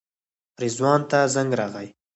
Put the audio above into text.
رضوان ته زنګ راغی.